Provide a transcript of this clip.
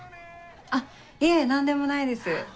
あっいえ何でもないです。